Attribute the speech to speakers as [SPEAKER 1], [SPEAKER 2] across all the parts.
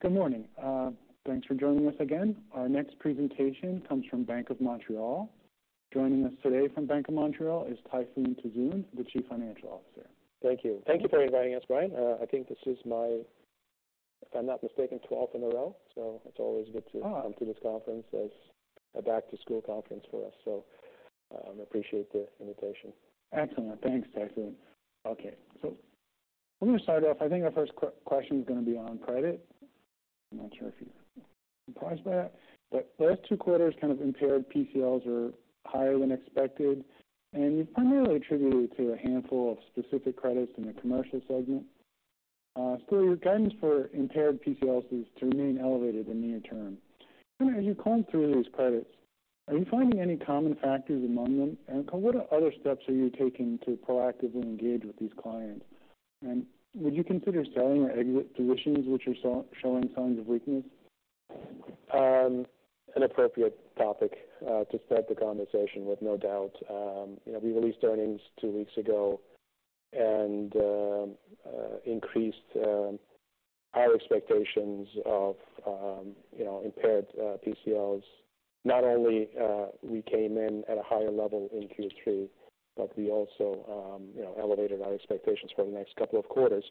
[SPEAKER 1] Good morning. Thanks for joining us again. Our next presentation comes from Bank of Montreal. Joining us today from Bank of Montreal is Tayfun Tuzun, the Chief Financial Officer.
[SPEAKER 2] Thank you. Thank you for inviting us, Brian. I think this is my, if I'm not mistaken, 12th in a row. So it's always good to-
[SPEAKER 1] Ah.
[SPEAKER 2] Come to this conference as a back-to-school conference for us. So, appreciate the invitation.
[SPEAKER 1] Excellent. Thanks, Tayfun. Okay, so we're going to start off. I think our first question is gonna be on credit. I'm not sure if you're surprised by that, but the last two quarters, kind of impaired PCLs are higher than expected, and you've primarily attributed it to a handful of specific credits in the commercial segment. So your guidance for impaired PCLs is to remain elevated in the near term. Kinda as you comb through these credits, are you finding any common factors among them? And what other steps are you taking to proactively engage with these clients? And would you consider selling or exiting solutions which are showing signs of weakness?
[SPEAKER 2] An appropriate topic to start the conversation with no doubt. You know, we released earnings two weeks ago and increased our expectations of you know, impaired PCLs. Not only we came in at a higher level in Q3, but we also you know, elevated our expectations for the next couple of quarters.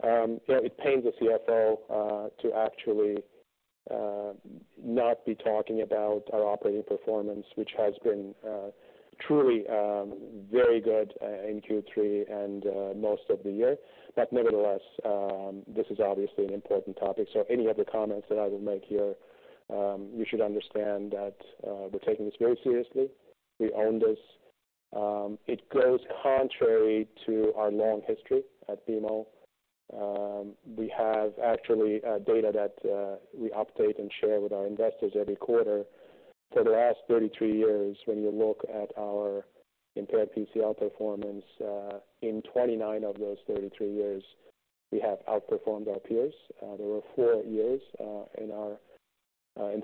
[SPEAKER 2] But it pains the CFO to actually not be talking about our operating performance, which has been truly very good in Q3 and most of the year. But nevertheless, this is obviously an important topic, so any other comments that I will make here, you should understand that we're taking this very seriously. We own this. It goes contrary to our long history at BMO. We have actually data that we update and share with our investors every quarter. For the last 33 years, when you look at our impaired PCL performance, in 29 of those 33 years, we have outperformed our peers. There were four years in our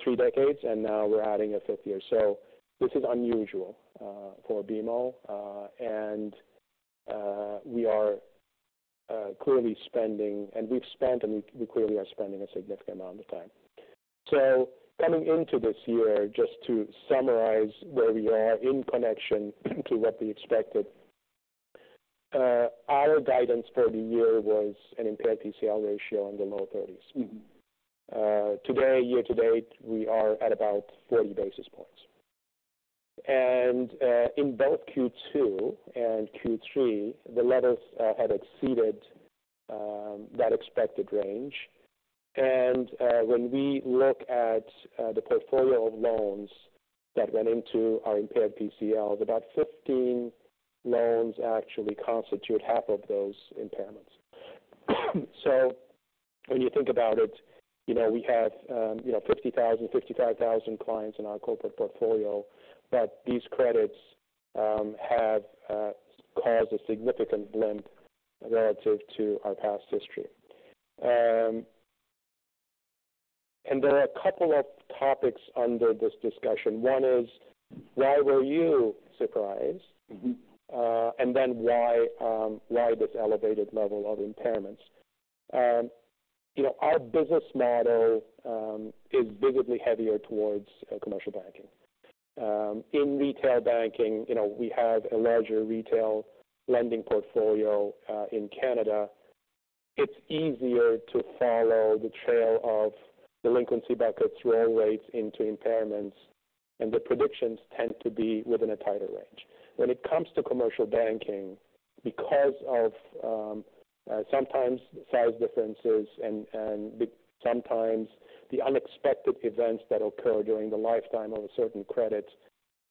[SPEAKER 2] three decades, and now we're adding a fifth year. So this is unusual for BMO, and we are clearly spending, and we've spent, and we clearly are spending a significant amount of time. So coming into this year, just to summarize where we are in connection to what we expected, our guidance for the year was an impaired PCL ratio in the low 30s.
[SPEAKER 1] Mm-hmm.
[SPEAKER 2] Today, year to date, we are at about 40 basis points. In both Q2 and Q3, the levels had exceeded that expected range. When we look at the portfolio of loans that went into our impaired PCLs, about 15 loans actually constitute half of those impairments. So when you think about it, you know, we have, you know, 50,000, 55,000 clients in our corporate portfolio, but these credits have caused a significant blip relative to our past history. And there are a couple of topics under this discussion. One is, why were you surprised?
[SPEAKER 1] Mm-hmm. And then, why this elevated level of impairments? You know, our business model is heavily weighted towards commercial banking. In retail banking, you know, we have a larger retail lending portfolio in Canada. It's easier to follow the trail of delinquency back to charge-off rates into impairments, and the predictions tend to be within a tighter range. When it comes to commercial banking, because of sometimes size differences and sometimes the unexpected events that occur during the lifetime of a certain credit,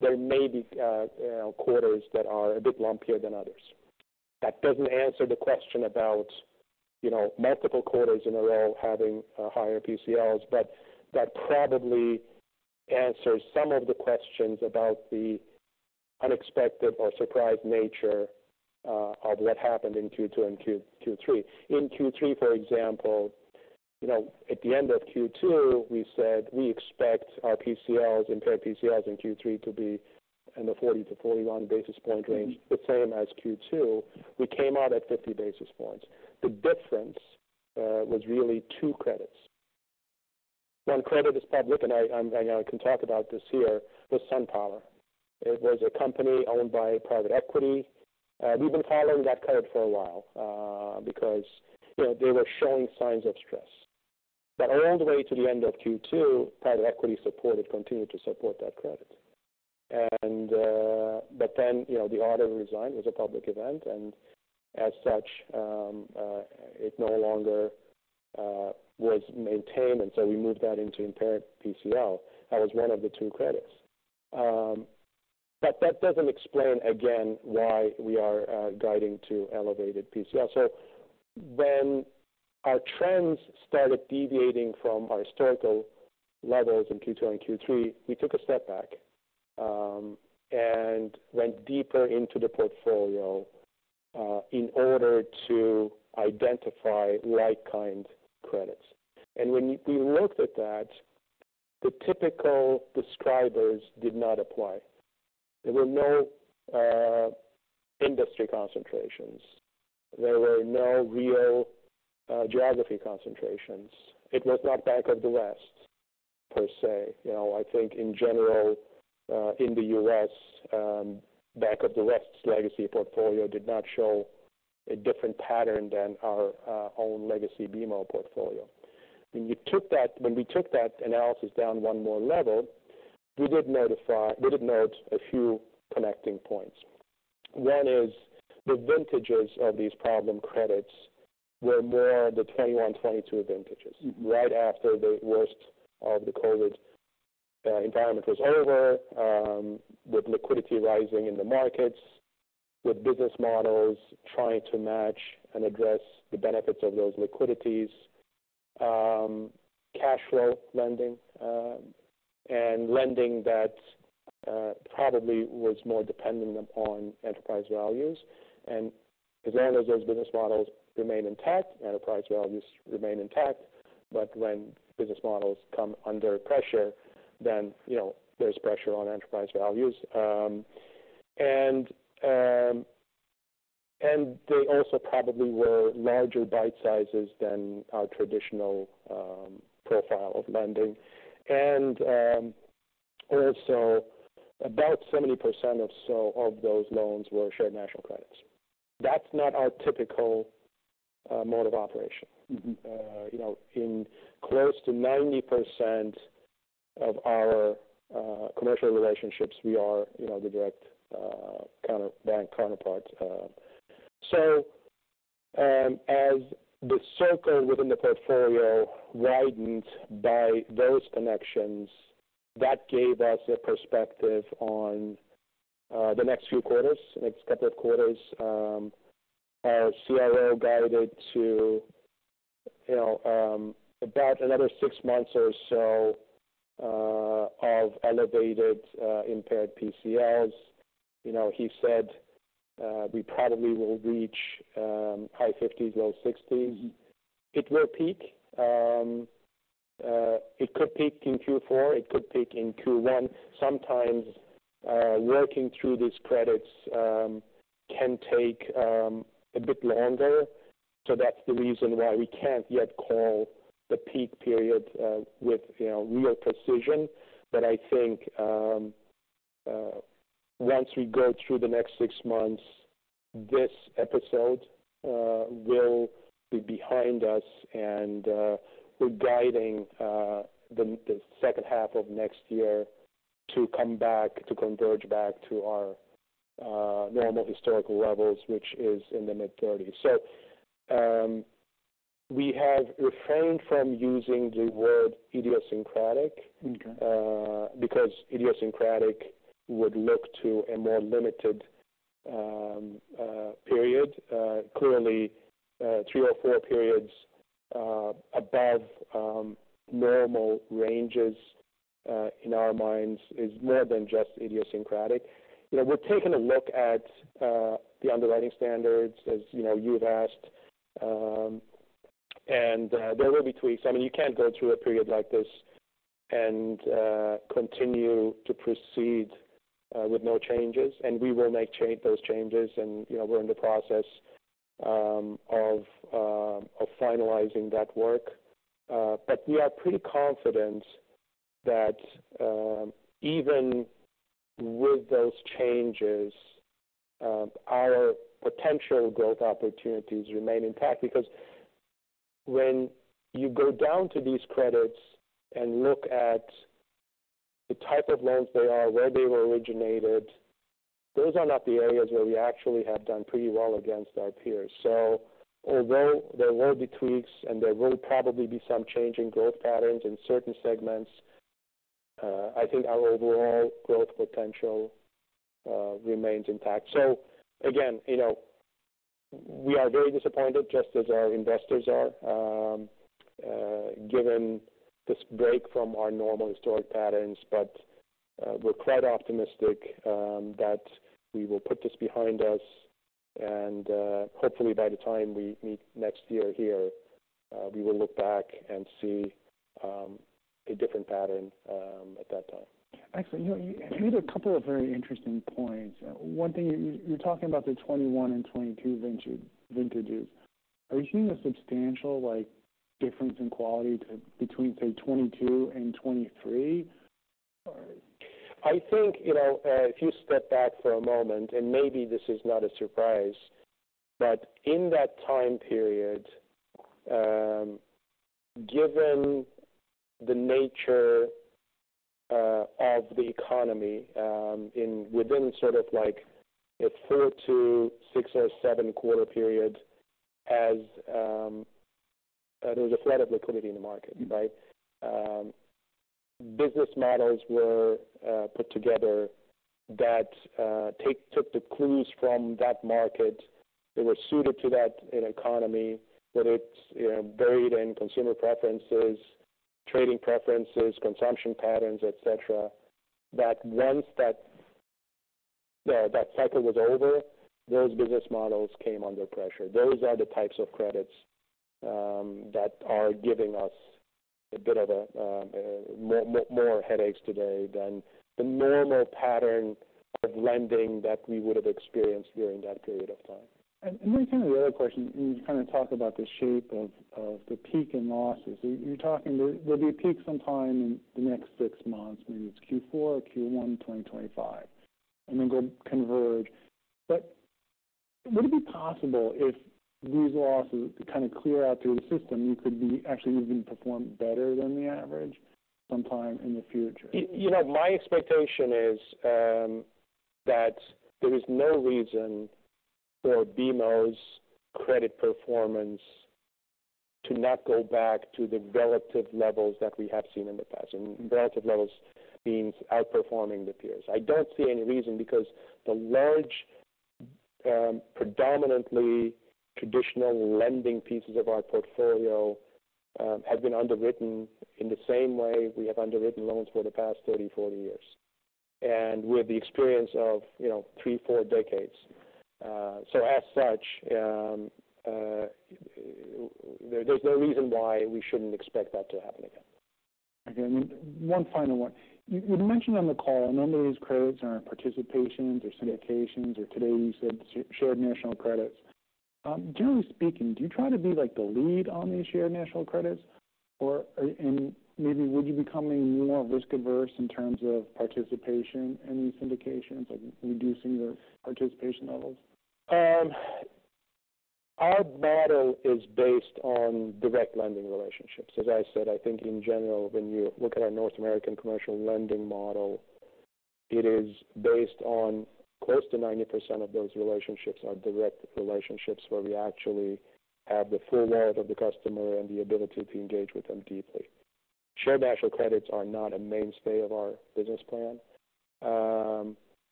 [SPEAKER 1] there may be, you know, quarters that are a bit lumpier than others. That doesn't answer the question about, you know, multiple quarters in a row having higher PCLs, but that probably answers some of the questions about the unexpected or surprise nature of what happened in Q2 and Q3. In Q3, for example, you know, at the end of Q2, we said we expect our PCLs, impaired PCLs in Q3 to be in the 40-41 basis point range. Mm-hmm.
[SPEAKER 2] -the same as Q2. We came out at 50 basis points. The difference was really two credits. One credit is public, and I can talk about this here, was SunPower. It was a company owned by private equity. We've been following that credit for a while, because, you know, they were showing signs of stress. But all the way to the end of Q2, private equity support had continued to support that credit. And, but then, you know, the auditor resigned. It was a public event, and as such, it no longer was maintained, and so we moved that into impaired PCL. That was one of the two credits. But that doesn't explain again, why we are guiding to elevated PCL. So when our trends started deviating from our historical levels in Q2 and Q3, we took a step back and went deeper into the portfolio in order to identify like-kind credits. And when we looked at that, the typical describers did not apply. There were no industry concentrations. There were no real geography concentrations. It was not Bank of the West, per se. You know, I think in general in the U.S., Bank of the West's legacy portfolio did not show a different pattern than our own legacy BMO portfolio. When we took that analysis down one more level, we did note a few connecting points. One is the vintages of these problem credits were more the 2021, 2022 vintages. Right after the worst of the COVID environment was over, with liquidity rising in the markets, with business models trying to match and address the benefits of those liquidities, cash flow lending, and lending that probably was more dependent upon enterprise values. And as long as those business models remain intact, enterprise values remain intact, but when business models come under pressure, then, you know, there's pressure on enterprise values. And they also probably were larger bite sizes than our traditional profile of lending. And also about 70% or so of those loans were Shared National Credits. That's not our typical mode of operation. You know, in close to 90% of our commercial relationships, we are, you know, the direct counter-bank counterpart. So, as the circle within the portfolio widened by those connections, that gave us a perspective on the next few quarters, next couple of quarters. Our CRO guided to, you know, about another six months or so, of elevated, impaired PCLs. You know, he said, we probably will reach high fifties, low sixties. It will peak. It could peak in Q4, it could peak in Q1. Sometimes, working through these credits, can take a bit longer, so that's the reason why we can't yet call the peak period, with, you know, real precision. But I think, once we go through the next six months, this episode will be behind us, and we're guiding the second half of next year to come back, to converge back to our normal historical levels, which is in the mid-30s. So, we have refrained from using the word idiosyncratic-
[SPEAKER 1] Okay.
[SPEAKER 2] Because idiosyncratic would look to a more limited period. Clearly, three or four periods above normal ranges in our minds is more than just idiosyncratic. You know, we're taking a look at the underwriting standards, as you know, you've asked. And there will be tweaks. I mean, you can't go through a period like this and continue to proceed with no changes, and we will make those changes. You know, we're in the process of finalizing that work. But we are pretty confident that even with those changes our potential growth opportunities remain intact. Because when you go down to these credits and look at the type of loans they are, where they were originated, those are not the areas where we actually have done pretty well against our peers. So although there will be tweaks, and there will probably be some change in growth patterns in certain segments, I think our overall growth potential remains intact. So again, you know, we are very disappointed, just as our investors are, given this break from our normal historic patterns. But, we're quite optimistic that we will put this behind us, and, hopefully, by the time we meet next year here, we will look back and see a different pattern at that time.
[SPEAKER 1] Excellent. You know, you made a couple of very interesting points. One thing, you're talking about the 21 and 22 vintage, vintages. Are you seeing a substantial, like, difference in quality between, say, 22 and 23?
[SPEAKER 2] I think, you know, if you step back for a moment, and maybe this is not a surprise, but in that time period, given the nature of the economy, within sort of like a four to six or seven quarter period, as there was a flood of liquidity in the market, right? Business models were put together that took the clues from that market. They were suited to that environment, whether it's, you know, varying in consumer preferences, trading preferences, consumption patterns, et cetera. That, once that cycle was over, those business models came under pressure. Those are the types of credits that are giving us a bit of a more headaches today than the normal pattern of lending that we would have experienced during that period of time.
[SPEAKER 1] Let me turn to the other question. When you kind of talk about the shape of the peak in losses, you're talking there'll be a peak sometime in the next six months, maybe it's Q4 or Q1 2025, and then go converge. Would it be possible if these losses kind of clear out through the system, you could be actually even performing better than the average sometime in the future?
[SPEAKER 2] You know, my expectation is that there is no reason for BMO's credit performance to not go back to the relative levels that we have seen in the past, and relative levels means outperforming the peers. I don't see any reason because the large, predominantly traditional lending pieces of our portfolio have been underwritten in the same way we have underwritten loans for the past 30, 40 years, and with the experience of, you know, three, four decades. So as such, there's no reason why we shouldn't expect that to happen again.
[SPEAKER 1] Okay, one final one. You, you mentioned on the call, a number of these credits are in participations or syndications, or today you said, shared national credits. Generally speaking, do you try to be like the lead on these shared national credits? Or, and maybe would you becoming more risk averse in terms of participation in these syndications, like reducing your participation levels?
[SPEAKER 2] Our model is based on direct lending relationships. As I said, I think in general, when you look at our North American commercial lending model, it is based on close to 90% of those relationships are direct relationships, where we actually have the full breadth of the customer and the ability to engage with them deeply. Shared national credits are not a mainstay of our business plan.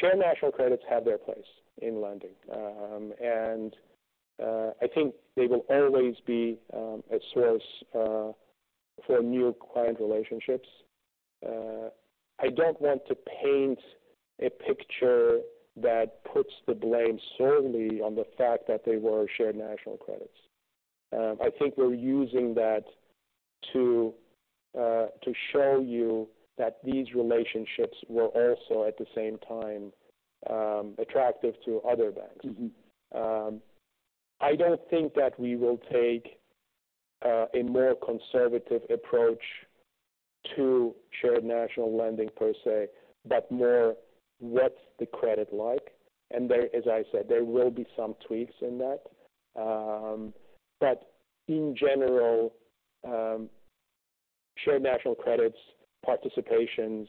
[SPEAKER 2] Shared national credits have their place in lending, and I think they will always be a source for new client relationships. I don't want to paint a picture that puts the blame solely on the fact that they were shared national credits. I think we're using that to show you that these relationships were also, at the same time, attractive to other banks.
[SPEAKER 1] Mm-hmm.
[SPEAKER 2] I don't think that we will take a more conservative approach to shared national lending per se, but more what's the credit like? And there, as I said, there will be some tweaks in that. But in general, shared national credits participations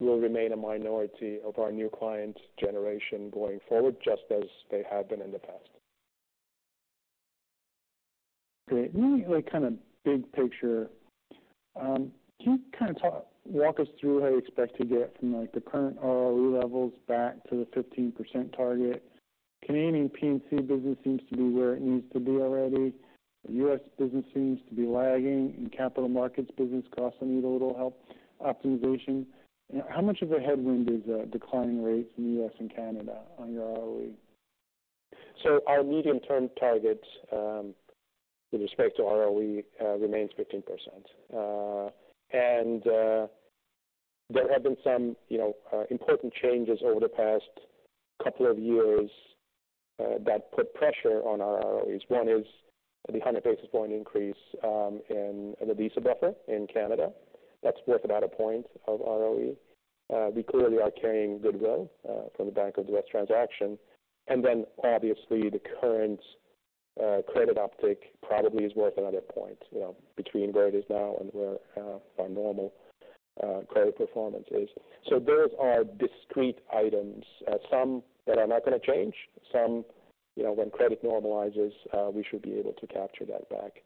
[SPEAKER 2] will remain a minority of our new client generation going forward, just as they have been in the past.
[SPEAKER 1] Great. Maybe like kind of big picture, can you kind of walk us through how you expect to get from, like, the current ROE levels back to the 15% target? Canadian P&C business seems to be where it needs to be already. The U.S. business seems to be lagging, and capital markets business costs will need a little help, optimization. How much of a headwind is declining rates in the U.S. and Canada on your ROE?
[SPEAKER 2] So our medium-term target with respect to ROE remains 15%. And there have been some, you know, important changes over the past couple of years that put pressure on our ROEs. One is the 100 basis point increase in the capital buffer in Canada. That's worth about a point of ROE. We clearly are carrying goodwill from the Bank of the West transaction. And then obviously, the current credit uptick probably is worth another point, you know, between where it is now and where our normal credit performance is. So those are discrete items, some that are not going to change, some, you know, when credit normalizes we should be able to capture that back.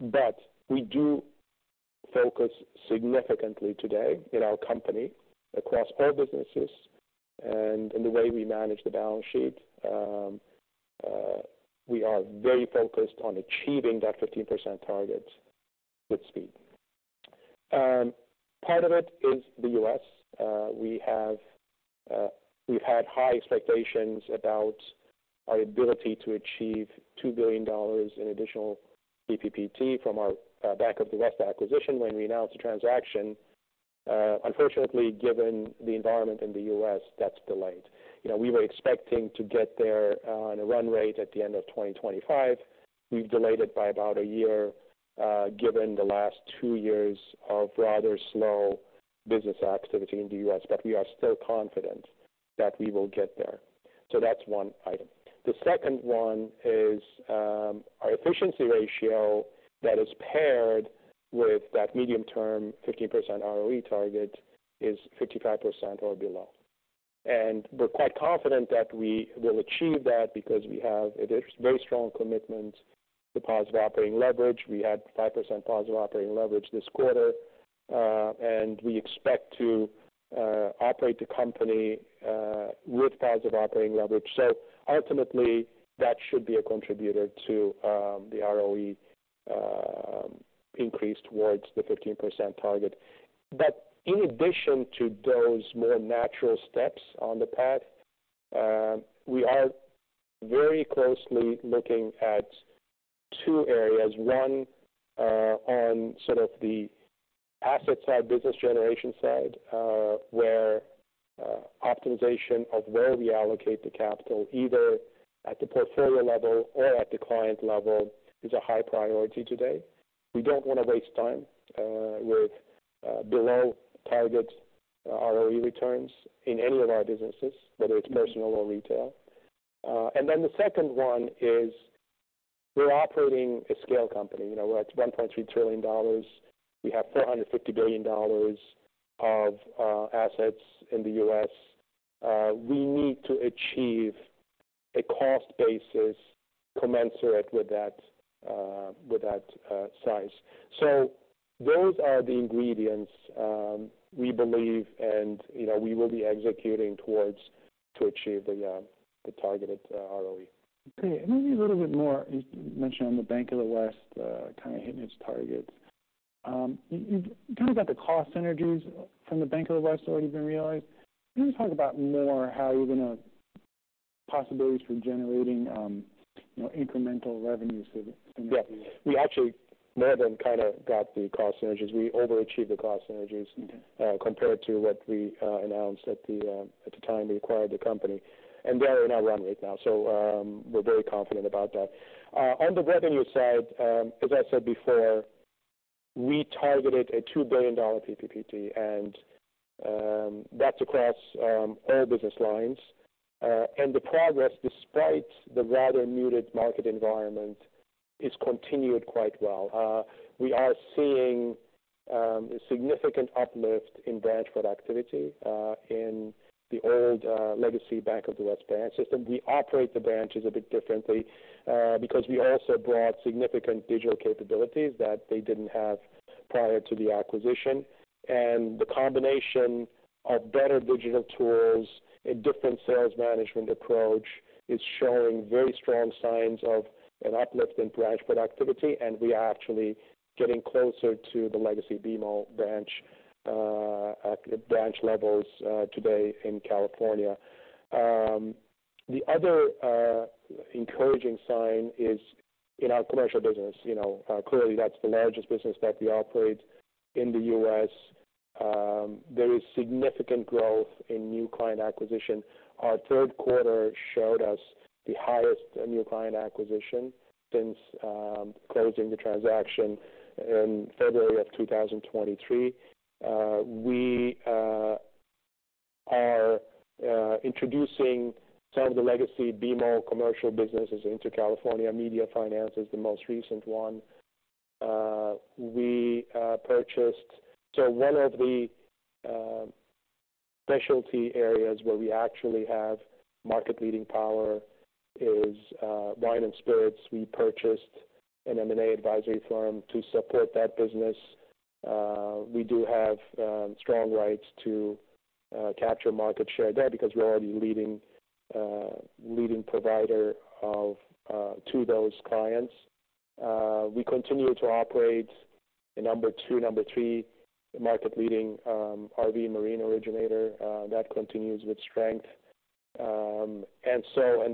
[SPEAKER 2] But we do focus significantly today in our company, across all businesses and in the way we manage the balance sheet. We are very focused on achieving that 15% target with speed. Part of it is the U.S. We have, we've had high expectations about our ability to achieve $2 billion in additional PPPT from our Bank of the West acquisition when we announced the transaction. Unfortunately, given the environment in the U.S., that's delayed. You know, we were expecting to get there, on a run rate at the end of 2025. We've delayed it by about a year, given the last two years of rather slow business activity in the U.S., but we are still confident that we will get there. So that's one item. The second one is, our efficiency ratio that is paired with that medium-term 15% ROE target is 55% or below. And we're quite confident that we will achieve that because we have a very strong commitment to positive operating leverage. We had 5% positive operating leverage this quarter, and we expect to operate the company with positive operating leverage. So ultimately, that should be a contributor to the ROE increase towards the 15% target. But in addition to those more natural steps on the path, we are very closely looking at two areas. One, on sort of the asset side, business generation side, where optimization of where we allocate the capital, either at the portfolio level or at the client level, is a high priority today. We don't want to waste time with below-target ROE returns in any of our businesses, whether it's personal or retail, and then the second one is we're operating a scale company. You know, we're at 1.3 trillion dollars. We have $450 billion of assets in the U.S.. We need to achieve a cost basis commensurate with that size. So those are the ingredients we believe, and you know, we will be executing towards to achieve the targeted ROE.
[SPEAKER 1] Okay, maybe a little bit more, you mentioned on the Bank of the West, kind of hitting its targets. You kind of got the cost synergies from the Bank of the West already been realized. Can you talk about more how you're going to possibilities for generating, you know, incremental revenues for the-
[SPEAKER 2] Yeah. We actually more than kind of got the cost synergies. We overachieved the cost synergies.
[SPEAKER 1] Mm-hmm.
[SPEAKER 2] Compared to what we announced at the time we acquired the company, and they are in our run rate now, so we're very confident about that. On the revenue side, as I said before, we targeted a $2 billion PPPT, and that's across all business lines, and the progress, despite the rather muted market environment, is continued quite well. We are seeing a significant uplift in branch productivity in the old legacy Bank of the West branch system. We operate the branches a bit differently because we also brought significant digital capabilities that they didn't have prior to the acquisition. And the combination of better digital tools and different sales management approach is showing very strong signs of an uplift in branch productivity, and we are actually getting closer to the legacy BMO branch at the branch levels today in California. The other encouraging sign is in our commercial business. You know, clearly, that's the largest business that we operate in the U.S. There is significant growth in new client acquisition. Our third quarter showed us the highest new client acquisition since closing the transaction in February of 2023. We are introducing some of the legacy BMO commercial businesses into California. Media Finance is the most recent one. So one of the specialty areas where we actually have market-leading power is wine and spirits. We purchased an M&A advisory firm to support that business. We do have strong rights to capture market share there because we're already leading provider of to those clients. We continue to operate a number two, number three, market-leading RV Marine originator. That continues with strength. And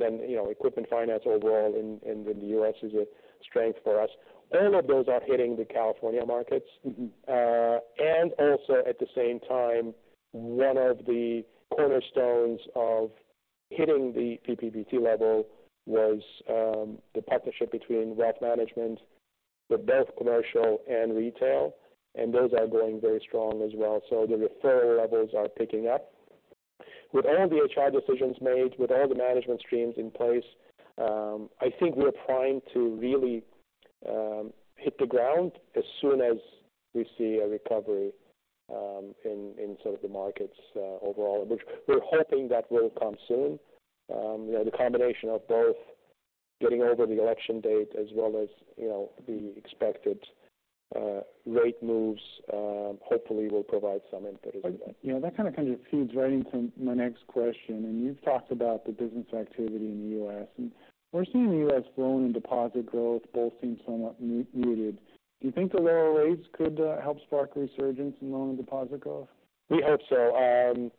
[SPEAKER 2] then, you know, equipment finance overall in the U.S. is a strength for us. All of those are hitting the California markets.
[SPEAKER 1] Mm-hmm.
[SPEAKER 2] And also, at the same time, one of the cornerstones of hitting the PPPT level was the partnership between wealth management, with both commercial and retail, and those are going very strong as well. So the referral levels are picking up. With all the HR decisions made, with all the management streams in place, I think we're primed to really hit the ground as soon as we see a recovery in sort of the markets overall, which we're hoping that will come soon. You know, the combination of both getting over the election date as well as you know, the expected rate moves hopefully will provide some input as well.
[SPEAKER 1] You know, that kind of feeds right into my next question, and you've talked about the business activity in the U.S., and we're seeing the U.S. loan and deposit growth both seem somewhat muted. Do you think the lower rates could help spark a resurgence in loan and deposit growth?
[SPEAKER 2] We hope so.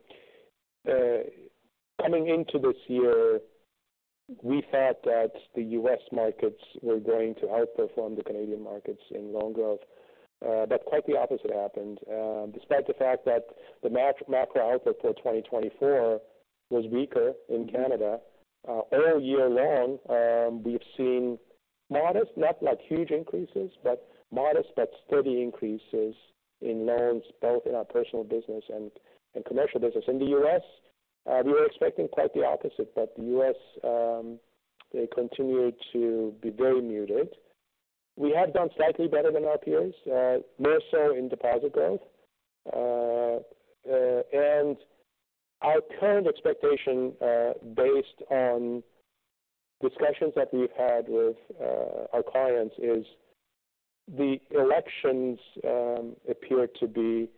[SPEAKER 2] Coming into this year, we thought that the US markets were going to outperform the Canadian markets in loan growth, but quite the opposite happened. Despite the fact that the macro output for 2024 was weaker in Canada, all year long, we've seen modest, not like huge increases, but modest but steady increases in loans, both in our personal business and commercial business. In the U.S., we were expecting quite the opposite, but the U.S. continued to be very muted. We have done slightly better than our peers, more so in deposit growth. And our current expectation, based on discussions that we've had with our clients, is the elections appear to be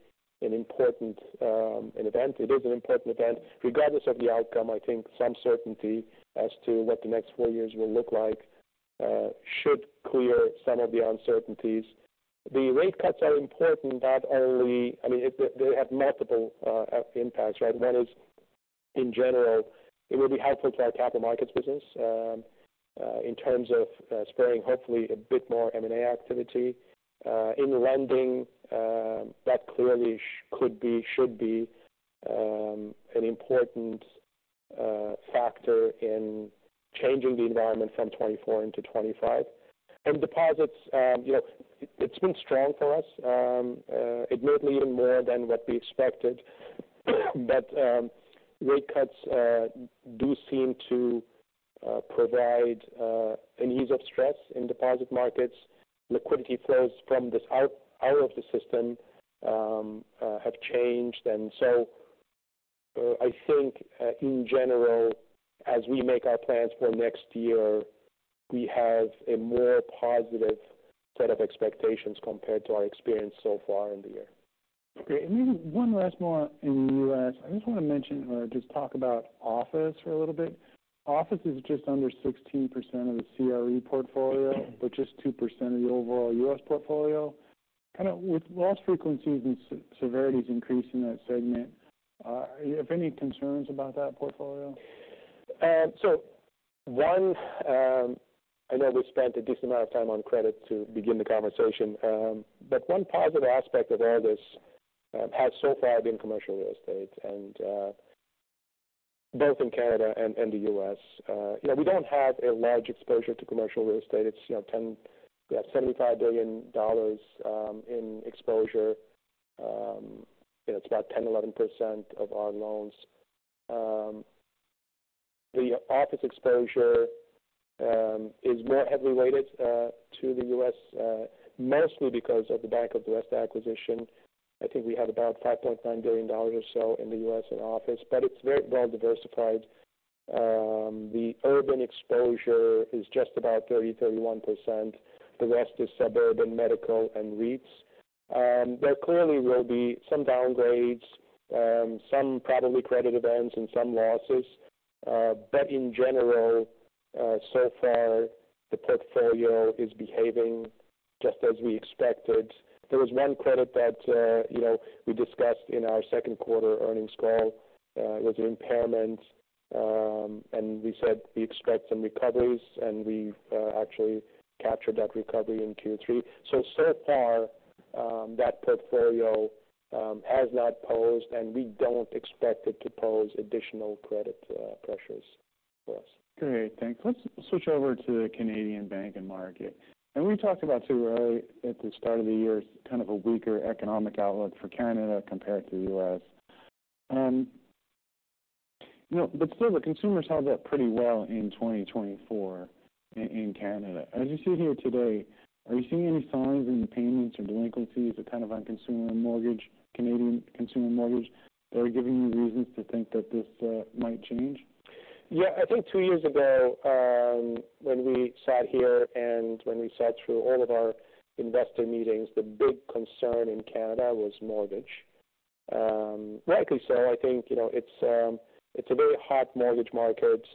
[SPEAKER 2] an important an event. It is an important event. Regardless of the outcome, I think some certainty as to what the next four years will look like should clear some of the uncertainties. The rate cuts are important, not only, I mean, they have multiple impacts, right? One is, in general, it will be helpful to our capital markets business in terms of spurring, hopefully, a bit more M&A activity. In lending, that clearly could be, should be, an important factor in changing the environment from 2024 into 2025. And deposits, you know, it's been strong for us. It might be even more than what we expected. But rate cuts do seem to provide an ease of stress in deposit markets. Liquidity flows from this out of the system have changed. And so I think, in general, as we make our plans for next year, we have a more positive set of expectations compared to our experience so far in the year.
[SPEAKER 1] Okay, and maybe one last more in the US. I just wanna mention or just talk about office for a little bit. Office is just under 16% of the CRE portfolio, but just 2% of the overall US portfolio. Kind of with loss frequencies and severity is increasing that segment, do you have any concerns about that portfolio?
[SPEAKER 2] So one, I know we spent a decent amount of time on credit to begin the conversation, but one positive aspect of all this has so far been commercial real estate, and both in Canada and the U.S. You know, we don't have a large exposure to commercial real estate. It's, you know, we have 75 billion dollars in exposure. It's about 10%-11% of our loans. The office exposure is more heavily weighted to the U.S., mostly because of the Bank of the West acquisition. I think we had about $5.9 billion or so in the U.S. in office, but it's very well diversified. The urban exposure is just about 30%-31%. The rest is suburban, medical, and REITs. There clearly will be some downgrades, some probably credit events and some losses. But in general, so far, the portfolio is behaving just as we expected. There was one credit that, you know, we discussed in our second quarter earnings call, with the impairment, and we said we expect some recoveries, and we've actually captured that recovery in Q3. So, so far, that portfolio has not posed, and we don't expect it to pose additional credit pressures for us.
[SPEAKER 1] Great, thanks. Let's switch over to the Canadian banking market. We talked about too, early at the start of the year, kind of a weaker economic outlook for Canada compared to the U.S. You know, but still, the consumers held up pretty well in 2024 in Canada. As you sit here today, are you seeing any signs in the payments or delinquencies that kind of on consumer mortgage, Canadian consumer mortgage, that are giving you reasons to think that this might change?
[SPEAKER 2] Yeah, I think two years ago, when we sat here and when we sat through all of our investor meetings, the big concern in Canada was mortgage. Rightly so, I think, you know, it's a very hot mortgage market.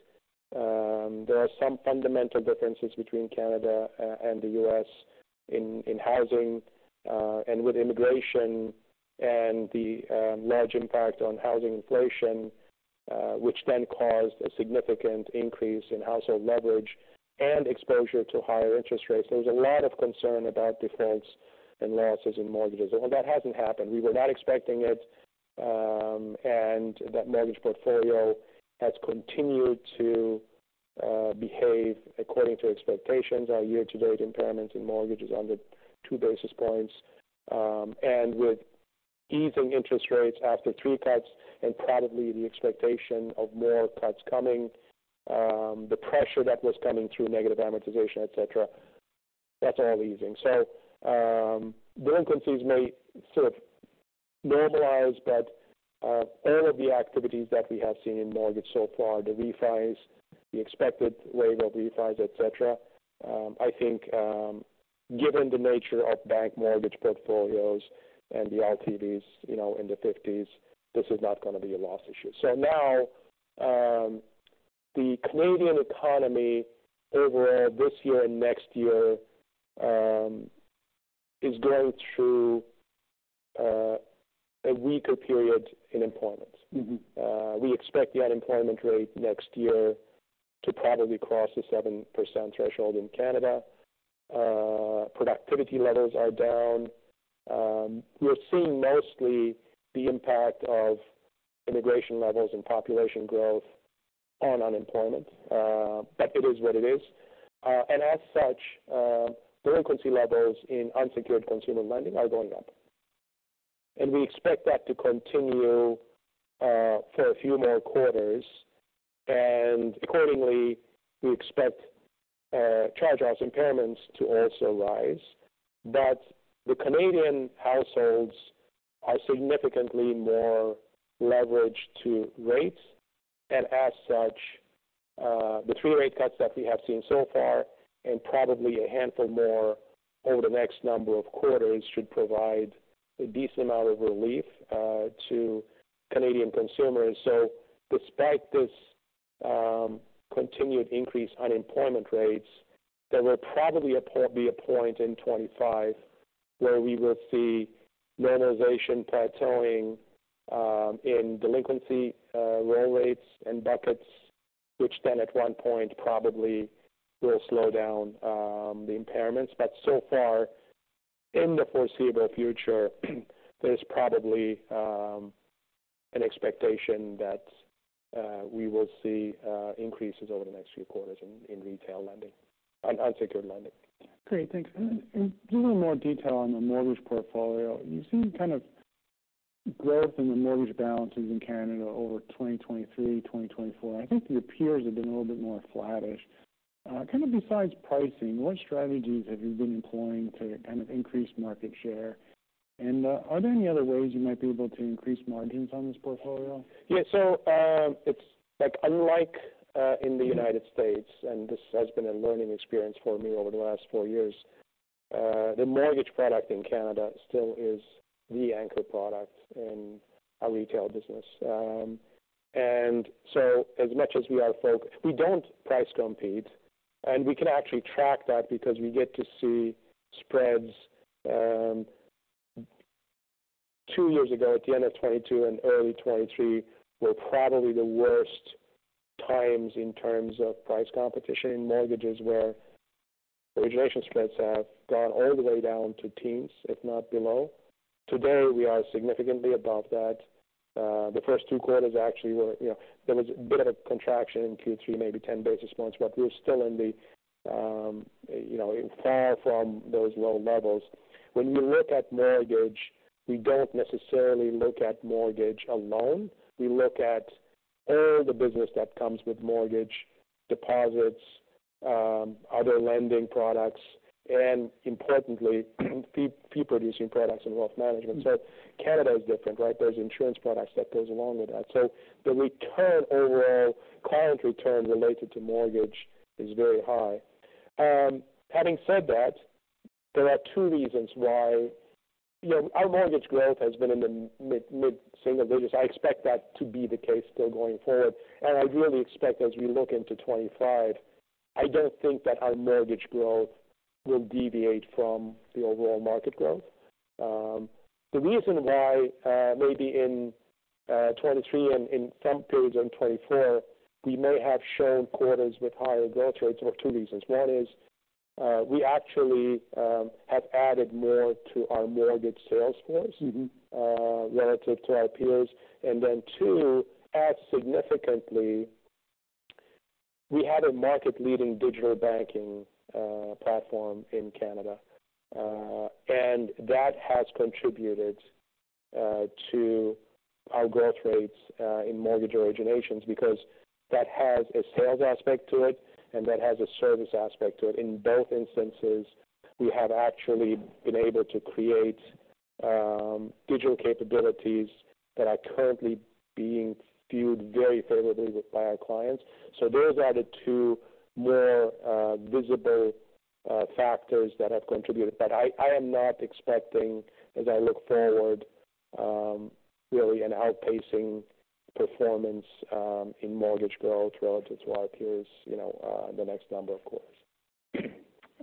[SPEAKER 2] There are some fundamental differences between Canada, and the U.S. in housing, and with immigration and the large impact on housing inflation, which then caused a significant increase in household leverage and exposure to higher interest rates. There was a lot of concern about defaults and losses in mortgages, and that hasn't happened. We were not expecting it, and that mortgage portfolio has continued to behave according to expectations. Our year-to-date impairment in mortgage is under two basis points. And with easing interest rates after three cuts and probably the expectation of more cuts coming, the pressure that was coming through negative amortization, et cetera, that's all easing. So, delinquencies may sort of normalize, but, all of the activities that we have seen in mortgage so far, the refis, the expected wave of refis, et cetera, I think, given the nature of bank mortgage portfolios and the LTVs, you know, in the fifties, this is not gonna be a loss issue. So now, the Canadian economy overall, this year and next year, is going through a weaker period in employment.
[SPEAKER 1] Mm-hmm.
[SPEAKER 2] We expect the unemployment rate next year to probably cross the 7% threshold in Canada. Productivity levels are down. We're seeing mostly the impact of immigration levels and population growth on unemployment, but it is what it is, and as such, delinquency levels in unsecured consumer lending are going up, and we expect that to continue for a few more quarters, and accordingly, we expect charge-offs impairments to also rise, but the Canadian households are significantly more leveraged to rates, and as such, the three rate cuts that we have seen so far, and probably a handful more over the next number of quarters, should provide a decent amount of relief to Canadian consumers. So despite this, continued increase unemployment rates, there will probably be a point in 2025 where we will see normalization plateauing, in delinquency, roll rates and buckets, which then at one point probably will slow down, the impairments. But so far, in the foreseeable future, there's probably, an expectation that, we will see, increases over the next few quarters in retail lending, on unsecured lending.
[SPEAKER 1] Great, thanks. And a little more detail on the mortgage portfolio. You've seen kind of growth in the mortgage balances in Canada over 2023, 2024. I think your peers have been a little bit more flattish. Kind of besides pricing, what strategies have you been employing to kind of increase market share? And, are there any other ways you might be able to increase margins on this portfolio?
[SPEAKER 2] Yeah, so, it's, like, unlike in the United States, and this has been a learning experience for me over the last four years, the mortgage product in Canada still is the anchor product in our retail business, and so as much as we are focused, we don't price compete, and we can actually track that because we get to see spreads. Two years ago, at the end of 2022 and early 2023, were probably the worst times in terms of price competition in mortgages, where origination spreads have gone all the way down to teens, if not below. Today, we are significantly above that. The first two quarters actually were, you know, there was a bit of a contraction in Q3, maybe ten basis points, but we're still in the, you know, far from those low levels. When we look at mortgage, we don't necessarily look at mortgage alone. We look at all the business that comes with mortgage deposits, other lending products, and importantly, fee-producing products and wealth management. So Canada is different, right? There's insurance products that goes along with that. So the return overall, client return related to mortgage is very high. Having said that, there are two reasons why, you know, our mortgage growth has been in the mid single digits. I expect that to be the case still going forward. And I really expect as we look into 2025, I don't think that our mortgage growth will deviate from the overall market growth. The reason why, maybe in 2023 and in some periods in 2024, we may have shown quarters with higher growth rates were two reasons. One is, we actually have added more to our mortgage sales force-
[SPEAKER 1] Mm-hmm.
[SPEAKER 2] Relative to our peers, and then, too, as significantly, we had a market-leading digital banking platform in Canada, and that has contributed to our growth rates in mortgage originations because that has a sales aspect to it, and that has a service aspect to it. In both instances, we have actually been able to create digital capabilities that are currently being viewed very favorably by our clients, so those are the two more visible factors that have contributed, but I am not expecting, as I look forward, really an outpacing performance in mortgage growth relative to our peers, you know, the next number of quarters.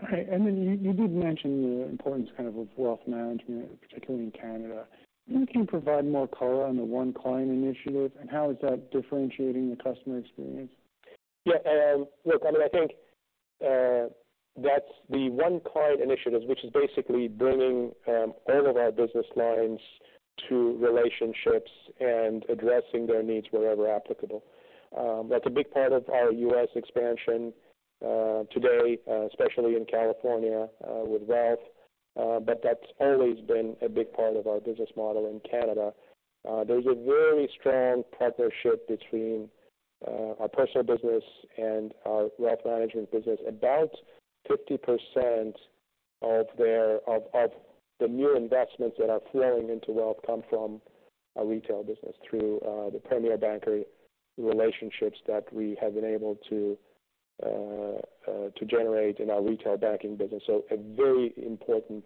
[SPEAKER 1] All right. And then you did mention the importance, kind of, of wealth management, particularly in Canada. Can you provide more color on the One Client initiative, and how is that differentiating the customer experience?
[SPEAKER 2] Yeah, look, I mean, I think, that's the One Client initiatives, which is basically bringing all of our business lines to relationships and addressing their needs wherever applicable. That's a big part of our U.S. expansion today, especially in California, with wealth, but that's always been a big part of our business model in Canada. There's a very strong partnership between our personal business and our wealth management business. About 50% of the new investments that are flowing into wealth come from our retail business through the premier banker relationships that we have been able to generate in our retail banking business. So a very important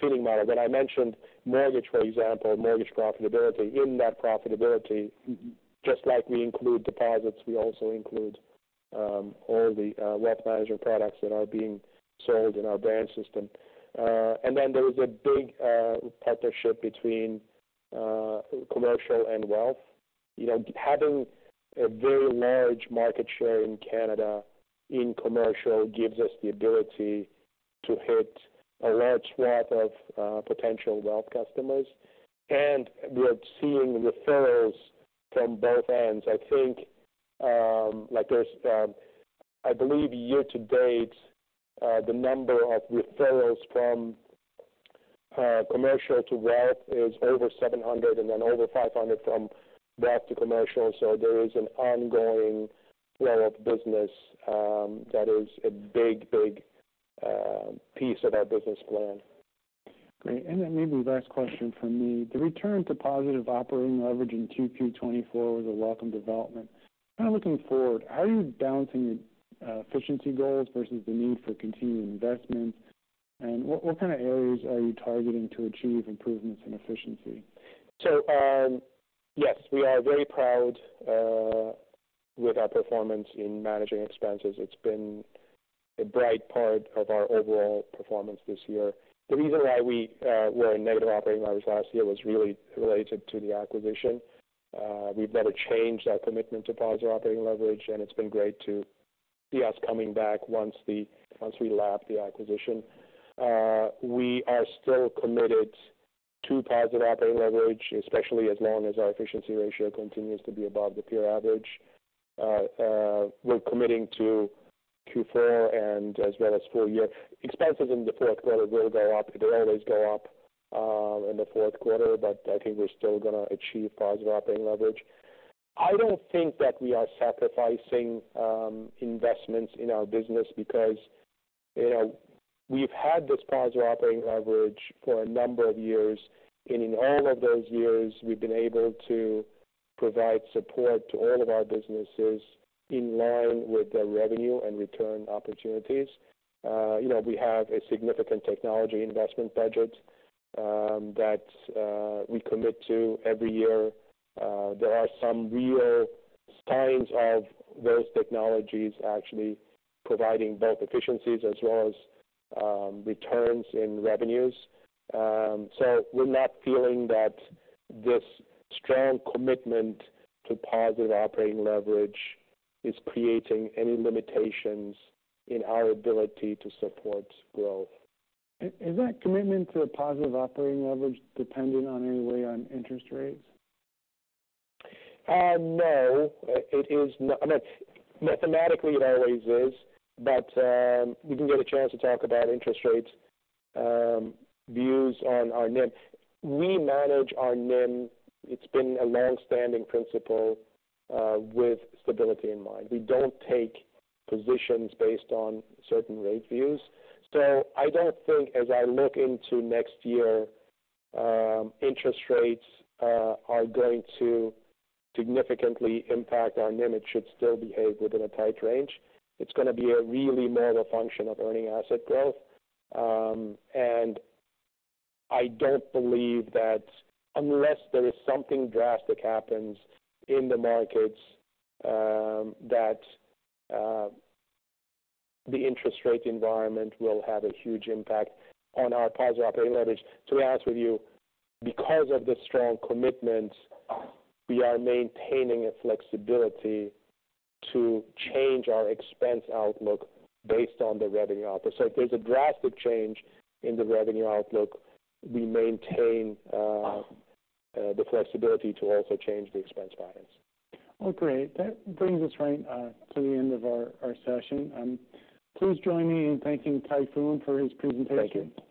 [SPEAKER 2] tuning model. When I mentioned mortgage, for example, mortgage profitability, in that profitability-
[SPEAKER 1] Mm-hmm.
[SPEAKER 2] Just like we include deposits, we also include all the wealth management products that are being sold in our branch system, and then there is a big partnership between commercial and wealth. You know, having a very large market share in Canada in commercial gives us the ability to hit a large swath of potential wealth customers, and we're seeing referrals from both ends. I think, like there's, I believe year to date, the number of referrals from commercial to wealth is over seven hundred and then over five hundred from wealth to commercial, so there is an ongoing flow of business that is a big, big piece of our business plan.
[SPEAKER 1] Great, and then maybe the last question from me. The return to positive operating leverage in Q2 2024 was a welcome development. Kind of looking forward, how are you balancing efficiency goals versus the need for continued investments? And what kind of areas are you targeting to achieve improvements in efficiency?
[SPEAKER 2] Yes, we are very proud with our performance in managing expenses. It's been a bright part of our overall performance this year. The reason why we were in negative operating leverage last year was really related to the acquisition. We've never changed our commitment to positive operating leverage, and it's been great to see us coming back once we lap the acquisition. We are still committed to positive operating leverage, especially as long as our efficiency ratio continues to be above the peer average. We're committing to Q4 and as well as full year. Expenses in the fourth quarter will go up. They always go up in the fourth quarter, but I think we're still gonna achieve positive operating leverage. I don't think that we are sacrificing investments in our business because, you know, we've had this positive operating leverage for a number of years, and in all of those years, we've been able to provide support to all of our businesses in line with their revenue and return opportunities. You know, we have a significant technology investment budget that we commit to every year. There are some real signs of those technologies actually providing both efficiencies as well as returns in revenues, so we're not feeling that this strong commitment to positive operating leverage is creating any limitations in our ability to support growth.
[SPEAKER 1] Is that commitment to a positive operating leverage dependent on any way on interest rates?
[SPEAKER 2] No, it is not. Mathematically, it always is, but we can get a chance to talk about interest rates, views on our NIM. We manage our NIM. It's been a long-standing principle, with stability in mind. We don't take positions based on certain rate views. So I don't think, as I look into next year, interest rates are going to significantly impact our NIM. It should still behave within a tight range. It's gonna be a really matter of function of earning asset growth, and I don't believe that unless there is something drastic happens in the markets, that the interest rate environment will have a huge impact on our positive operating leverage. To be honest with you, because of the strong commitment, we are maintaining a flexibility to change our expense outlook based on the revenue outlook so if there's a drastic change in the revenue outlook, we maintain the flexibility to also change the expense guidance.
[SPEAKER 1] Great. That brings us right to the end of our session. Please join me in thanking Tayfun for his presentation.
[SPEAKER 2] Thank you.